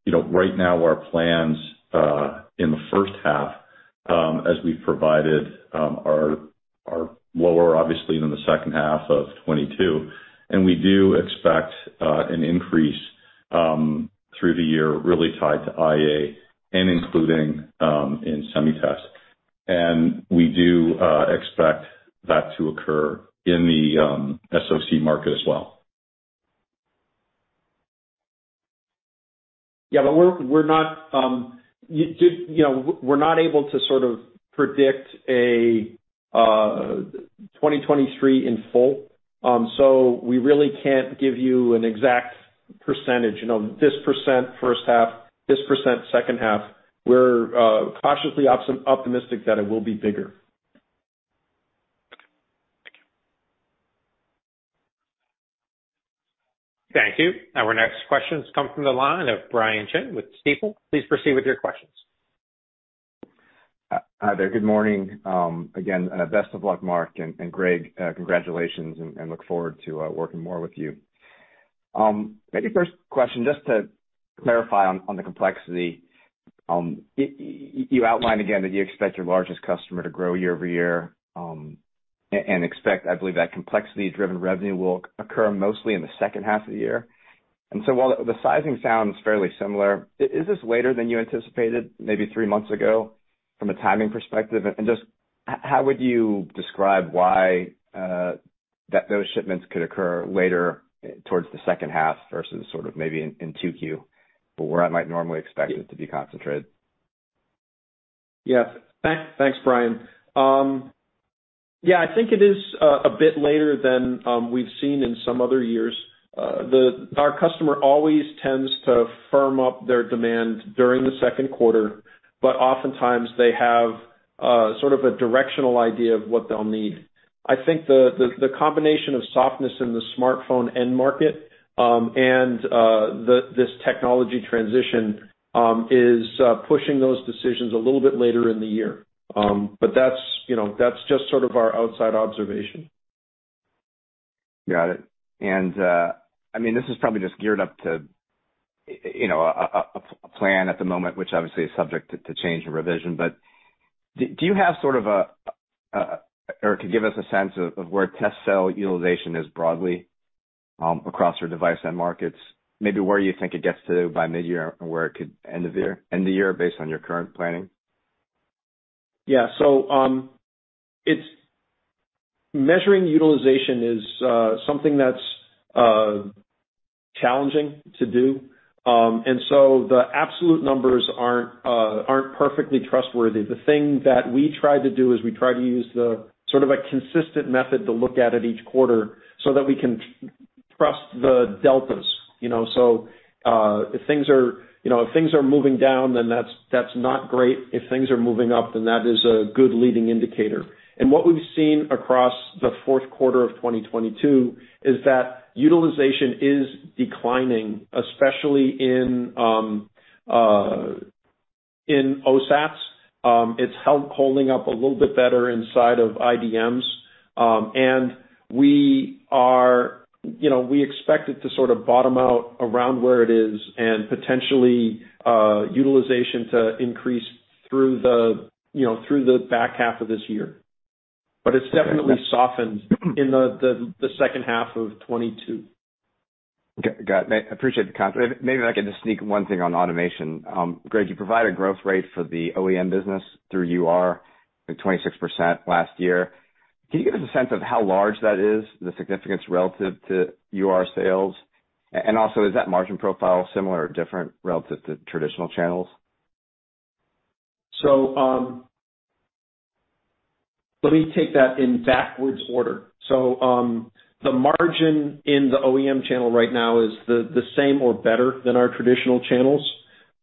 you know, right now our plans in the first half, as we've provided, are lower obviously than the second half of 2022. We do expect an increase through the year really tied to IA and including in SemiTest. We do expect that to occur in the SoC market as well. We're not, you know, we're not able to sort of predict a 2023 in full, so we really can't give you an exact %. You know, this % first half, this % second half. We're cautiously optimistic that it will be bigger. Okay. Thank you. Thank you. Our next question comes from the line of Brian Chin with Stifel. Please proceed with your questions. Hi there. Good morning. Again, best of luck, Mark and Greg. Congratulations and look forward to working more with you. Maybe first question, just to clarify on the complexity. You outlined again that you expect your largest customer to grow year-over-year, and expect, I believe, that complexity-driven revenue will occur mostly in the second half of the year. While the sizing sounds fairly similar, is this later than you anticipated maybe three months ago? From a timing perspective, and just how would you describe why that those shipments could occur later towards the second half versus sort of maybe in 2Q, but where I might normally expect it to be concentrated? Thanks, Brian. I think it is a bit later than we've seen in some other years. Our customer always tends to firm up their demand during the second quarter, oftentimes they have sort of a directional idea of what they'll need. I think the combination of softness in the smartphone end market and this technology transition is pushing those decisions a little bit later in the year. That's, you know, that's just sort of our outside observation. Got it. I mean, this is probably just geared up to, you know, a plan at the moment, which obviously is subject to change and revision. Do you have sort of a or could give us a sense of where test cell utilization is broadly across your device end markets? Maybe where you think it gets to by mid-year or where it could end the year based on your current planning? Measuring utilization is something that's challenging to do. The absolute numbers aren't perfectly trustworthy. The thing that we try to do is we try to use the, sort of a consistent method to look at it each quarter so that we can trust the deltas. You know, if things are, you know, if things are moving down, that's not great. If things are moving up, that is a good leading indicator. What we've seen across the fourth quarter of 2022 is that utilization is declining, especially in OSATs. It's holding up a little bit better inside of IDMs. We are, you know, we expect it to sort of bottom out around where it is and potentially, utilization to increase through the, you know, through the back half of this year. It's definitely softened in the second half of 2022. Okay. Got it. I appreciate. Maybe I could just sneak one thing on automation. Greg, you provide a growth rate for the OEM business through UR at 26% last year. Can you give us a sense of how large that is, the significance relative to UR sales? Also, is that margin profile similar or different relative to traditional channels? Let me take that in backwards order. The margin in the OEM channel right now is the same or better than our traditional channels.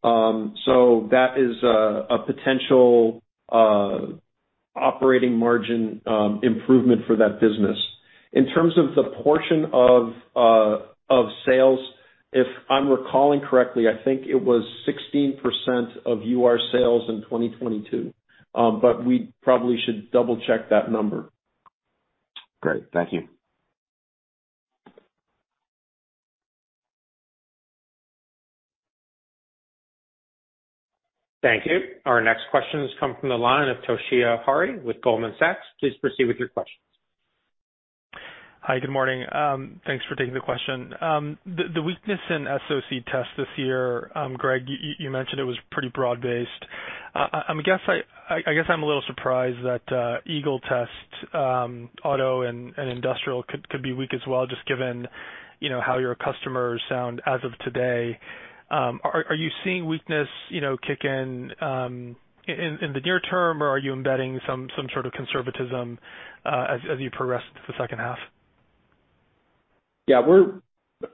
That is a potential operating margin improvement for that business. In terms of the portion of sales, if I'm recalling correctly, I think it was 16% of UR sales in 2022. We probably should double-check that number. Great. Thank you. Thank you. Our next question comes from the line of Toshiya Hari with Goldman Sachs. Please proceed with your questions. Hi, good morning. Thanks for taking the question. The weakness in SoC test this year, Greg, you mentioned it was pretty broad-based. I guess I'm a little surprised that Eagle Test, auto and industrial could be weak as well, just given, you know, how your customers sound as of today. Are you seeing weakness, you know, kick in in the near term, or are you embedding some sort of conservatism as you progress to the second half? Yeah.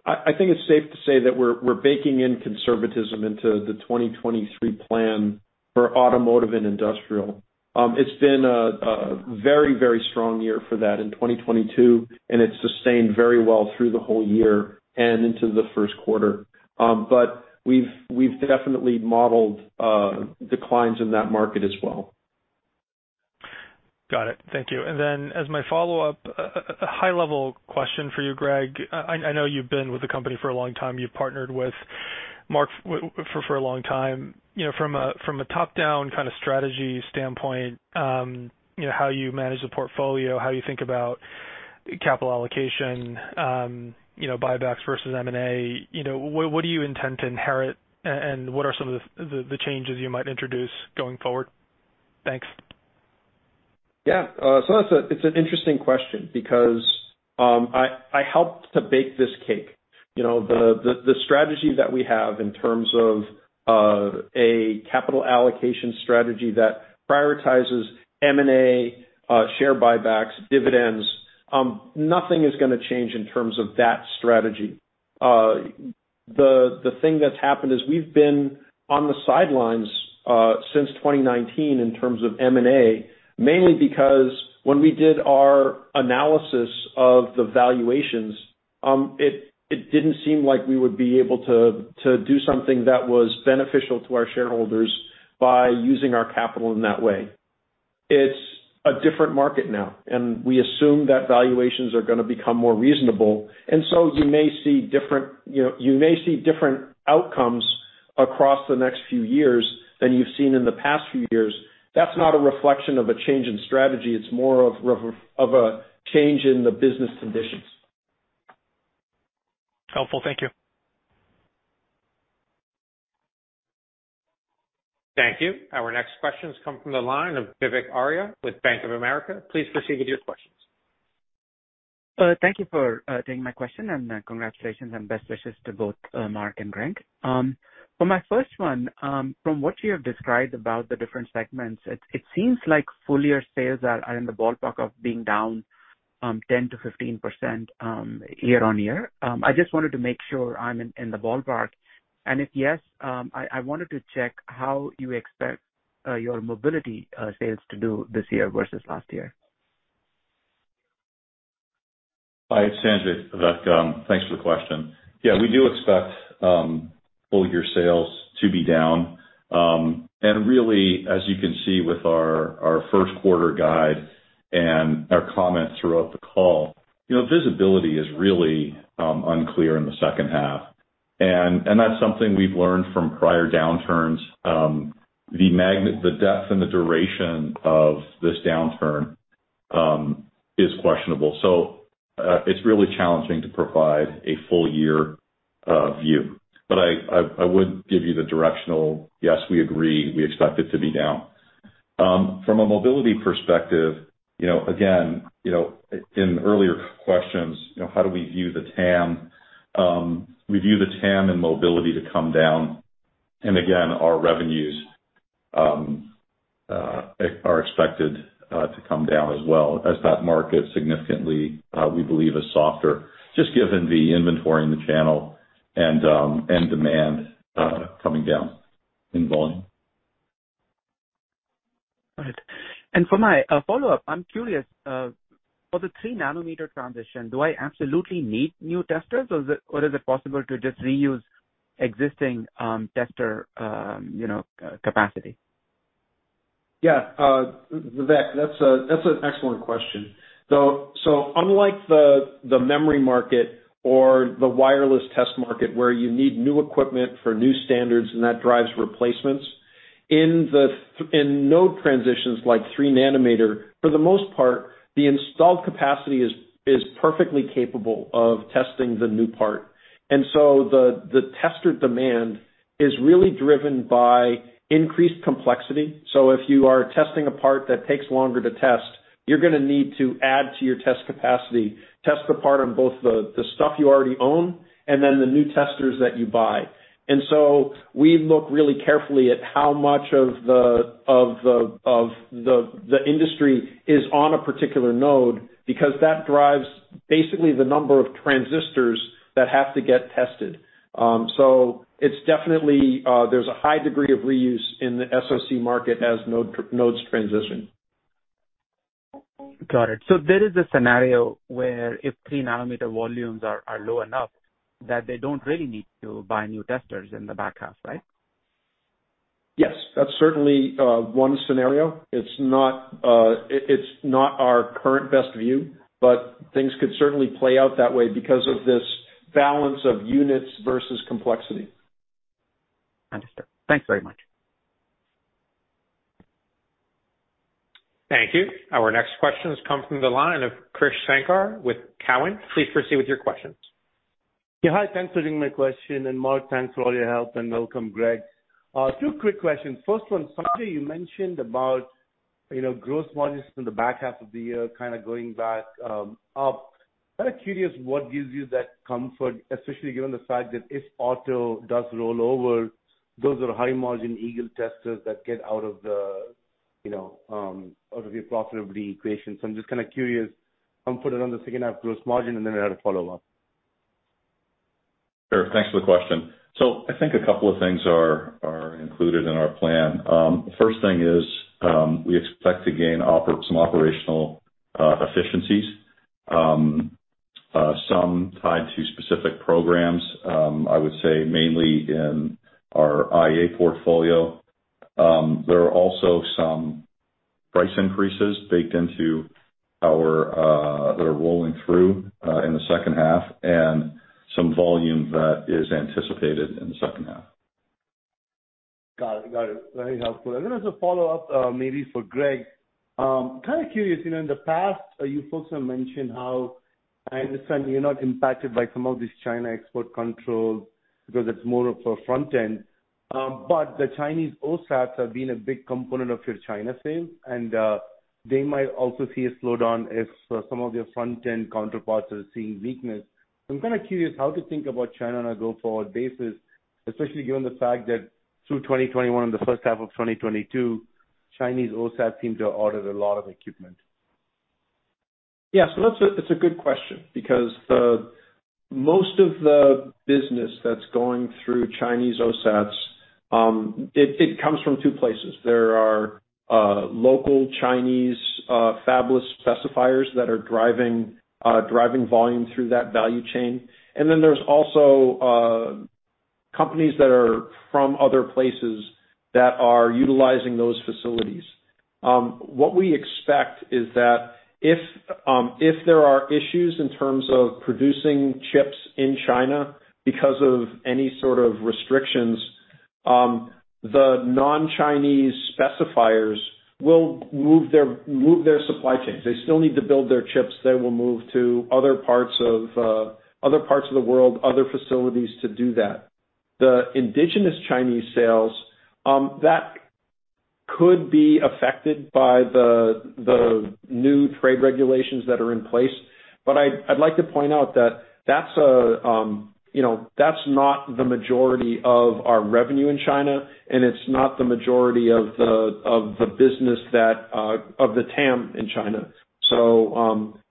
I think it's safe to say that we're baking in conservatism into the 2023 plan for automotive and industrial. It's been a very strong year for that in 2022. It's sustained very well through the whole year and into the first quarter. We've definitely modeled declines in that market as well. Got it. Thank you. As my follow-up, a high-level question for you, Greg. I know you've been with the company for a long time. You've partnered with Mark for a long time. You know, from a, from a top-down kind of strategy standpoint, you know, how you manage the portfolio, how you think about capital allocation, you know, buybacks versus M&A, what do you intend to inherit, and what are some of the changes you might introduce going forward? Thanks. Yeah. It's an interesting question because, I helped to bake this cake. You know, the strategy that we have in terms of a capital allocation strategy that prioritizes M&A, share buybacks, dividends, nothing is gonna change in terms of that strategy. The thing that's happened is we've been on the sidelines since 2019 in terms of M&A, mainly because when we did our analysis of the valuations, it didn't seem like we would be able to do something that was beneficial to our shareholders by using our capital in that way. It's a different market now. We assume that valuations are gonna become more reasonable. You may see different, you know, you may see different outcomes across the next few years than you've seen in the past few years. That's not a reflection of a change in strategy, it's more of a change in the business conditions. Helpful. Thank you. Thank you. Our next questions come from the line of Vivek Arya with Bank of America. Please proceed with your questions. Thank you for taking my question, congratulations and best wishes to both Mark and Greg. For my first one, from what you have described about the different segments, it seems like full year sales are in the ballpark of being down 10%-15% year-on-year. If yes, I wanted to make sure I'm in the ballpark. I wanted to check how you expect your mobility sales to do this year versus last year. Hi, it's Sanjay, Vivek. Thanks for the question. Yeah, we do expect full year sales to be down. And really, as you can see with our first quarter guide and our comments throughout the call, you know, visibility is really unclear in the second half. And that's something we've learned from prior downturns. The depth and the duration of this downturn is questionable. It's really challenging to provide a full year view. But I would give you the directional, yes, we agree, we expect it to be down. From a mobility perspective, you know, again, you know, in earlier questions, you know, how do we view the TAM? We view the TAM in mobility to come down. Again, our revenues are expected to come down as well as that market significantly, we believe is softer, just given the inventory in the channel and demand coming down in volume. All right. For my follow-up, I'm curious for the 3nm transition, do I absolutely need new testers or is it possible to just reuse existing tester, you know, capacity? Vivek, that's an excellent question. Unlike the memory market or the wireless test market where you need new equipment for new standards and that drives replacements, in node transitions like 3nm, for the most part, the installed capacity is perfectly capable of testing the new part. The tester demand is really driven by increased complexity. If you are testing a part that takes longer to test, you're gonna need to add to your test capacity, test the part on both the stuff you already own and then the new testers that you buy. We look really carefully at how much of the industry is on a particular node because that drives basically the number of transistors that have to get tested. It's definitely, there's a high degree of reuse in the SoC market as nodes transition. There is a scenario where if 3nm volumes are low enough that they don't really need to buy new testers in the back half, right? Yes. That's certainly one scenario. It's not, it's not our current best view. Things could certainly play out that way because of this balance of units versus complexity. Understood. Thanks very much. Thank you. Our next questions come from the line of Krish Sankar with Cowen. Please proceed with your questions. Yeah, hi. Thanks for taking my question. Mark, thanks for all your help, and welcome, Greg. Two quick questions. First one, Sanjay, you mentioned about, you know, gross margins in the back half of the year kind of going back up. Kind of curious what gives you that comfort, especially given the fact that if auto does roll over, those are high margin Eagle testers that get out of the, you know, out of your profitability equation. I'm just kind of curious, comfort around the second half gross margin, and then I had a follow-up. Sure. Thanks for the question. I think a couple of things are included in our plan. First thing is, we expect to gain some operational efficiencies, some tied to specific programs, I would say mainly in our IA portfolio. There are also some price increases baked into our that are rolling through in the second half and some volume that is anticipated in the second half. Got it. Got it. Very helpful. As a follow-up, maybe for Greg, kind of curious, you know, in the past, you folks have mentioned how. I understand you're not impacted by some of these China export controls because it's more of a front end, but the Chinese OSATs have been a big component of your China sales, and they might also see a slowdown if some of your front end counterparts are seeing weakness. I'm kind of curious how to think about China on a go-forward basis, especially given the fact that through 2021 and the first half of 2022, Chinese OSATs seemed to have ordered a lot of equipment. That's a good question because most of the business that's going through Chinese OSATs, it comes from two places. There are local Chinese fabless specifiers that are driving volume through that value chain. Then there's also companies that are from other places that are utilizing those facilities. What we expect is that if there are issues in terms of producing chips in China because of any sort of restrictions, the non-Chinese specifiers will move their supply chains. They still need to build their chips. They will move to other parts of the world, other facilities to do that. The indigenous Chinese sales that could be affected by the new trade regulations that are in place. I'd like to point out that that's a, you know, that's not the majority of our revenue in China, and it's not the majority of the business that of the TAM in China.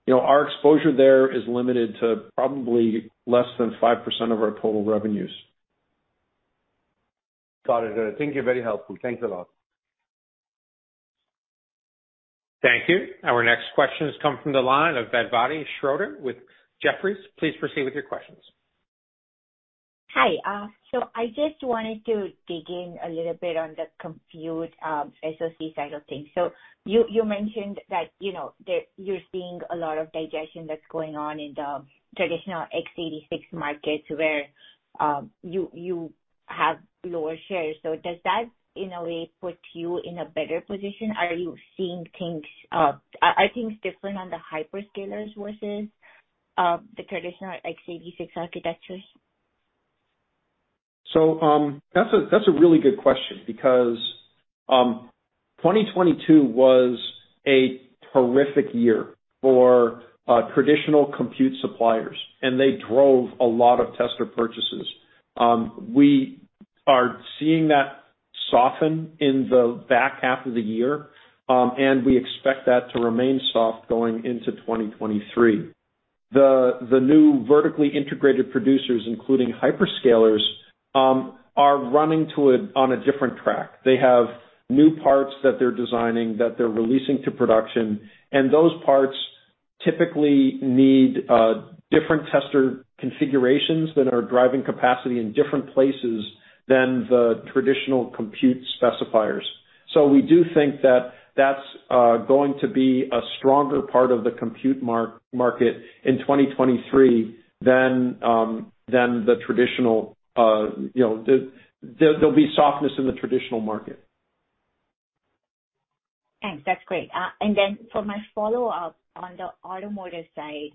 You know, our exposure there is limited to probably less than 5% of our total revenues. Got it. I think you're very helpful. Thanks a lot. Thank you. Our next question has come from the line of Mark Lipacis with Jefferies. Please proceed with your questions. Hi. I just wanted to dig in a little bit on the compute, SoC side of things. You mentioned that, you know, that you're seeing a lot of digestion that's going on in the traditional x86 markets where you have lower shares. Does that in a way put you in a better position? Are you seeing things, are things different on the hyperscalers versus the traditional x86 architectures? That's a really good question because 2022 was a terrific year for traditional compute suppliers, and they drove a lot of tester purchases. We are seeing that soften in the back half of the year, and we expect that to remain soft going into 2023. The new Vertically Integrated Producers, including hyperscalers, are running on a different track. They have new parts that they're designing, that they're releasing to production, and those parts typically need different tester configurations that are driving capacity in different places than the traditional compute specifiers. We do think that that's going to be a stronger part of the compute market in 2023 than than the traditional, you know. There'll be softness in the traditional market. Thanks. That's great. For my follow-up on the automotive side,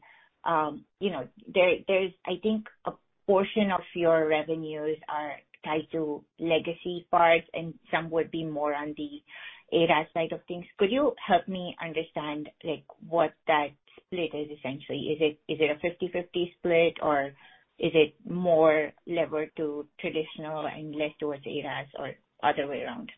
you know, there's, I think a portion of your revenues are tied to legacy parts and some would be more on the ADAS side of things. Could you help me understand, like, what that split is essentially? Is it a 50/50 split or is it more levered to traditional and less towards ADAS or other way around?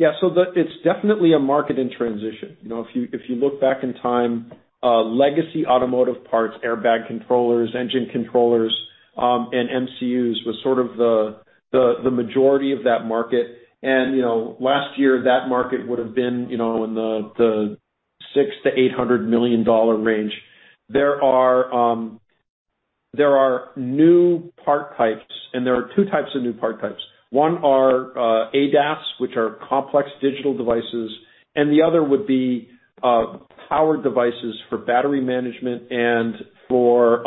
It's definitely a market in transition. You know, if you, if you look back in time, legacy automotive parts, airbag controllers, engine controllers, and MCUs was sort of the majority of that market. You know, last year that market would've been, you know, in the $600 million-$800 million range. There are new part types, and there are two types of new part types. One are ADAS, which are complex digital devices, and the other would be power devices for battery management and for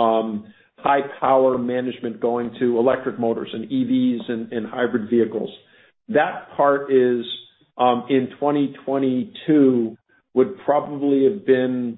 high power management going to electric motors and EVs and hybrid vehicles. That part is in 2022, would probably have been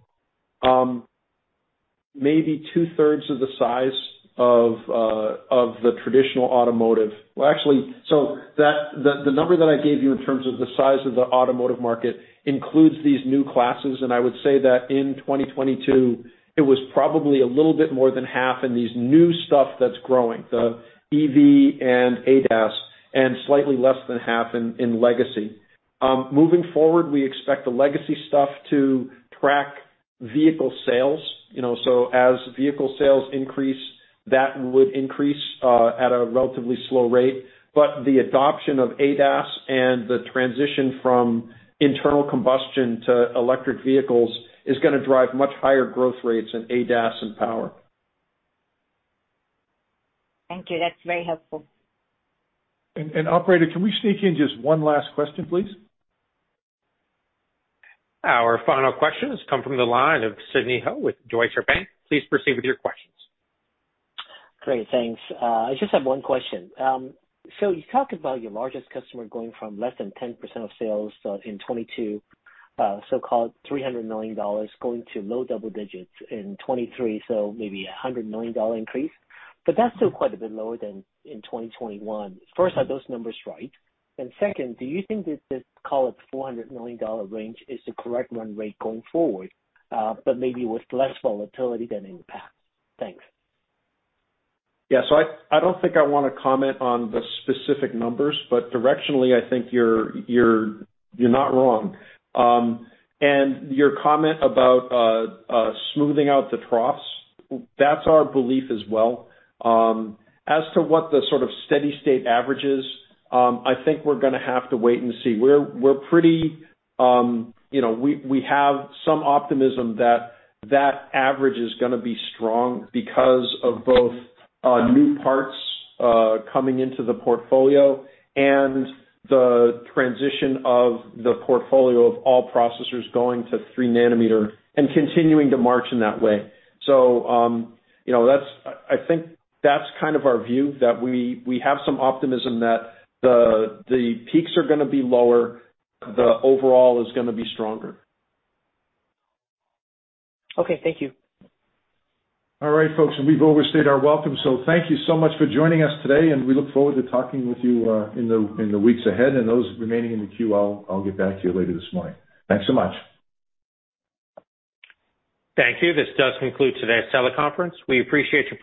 maybe two-thirds of the size of the traditional automotive. Well, actually, so the number that I gave you in terms of the size of the automotive market includes these new classes, and I would say that in 2022 it was probably a little bit more than half in these new stuff that's growing, the EV and ADAS, and slightly less than half in legacy. Moving forward, we expect the legacy stuff to track vehicle sales, you know. As vehicle sales increase, that would increase at a relatively slow rate. The adoption of ADAS and the transition from internal combustion to electric vehicles is gonna drive much higher growth rates in ADAS and power. Thank you. That's very helpful. Operator, can we sneak in just one last question, please? Our final question has come from the line of Sidney Ho with Deutsche Bank. Please proceed with your questions. Great, thanks. I just have one question. You talked about your largest customer going from less than 10% of sales in 2022, so-called $300 million, going to low double digits in 2023, maybe a $100 million increase. That's still quite a bit lower than in 2021. First, are those numbers right? Second, do you think that this call at $400 million range is the correct run rate going forward, but maybe with less volatility than in the past? Thanks. Yeah. I don't think I wanna comment on the specific numbers, but directionally I think you're not wrong. Your comment about smoothing out the troughs, that's our belief as well. As to what the sort of steady state average is, I think we're gonna have to wait and see. We're pretty, you know, we have some optimism that that average is gonna be strong because of both new parts coming into the portfolio and the transition of the portfolio of all processors going to 3nm and continuing to march in that way. You know, that's I think that's kind of our view, that we have some optimism that the peaks are gonna be lower, the overall is gonna be stronger. Okay. Thank you. All right, folks. We've overstayed our welcome, so thank you so much for joining us today and we look forward to talking with you in the weeks ahead. Those remaining in the queue, I'll get back to you later this morning. Thanks so much. Thank you. This does conclude today's teleconference. We appreciate your participation.